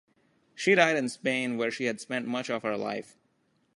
She died in Spain where she had spent much of her life.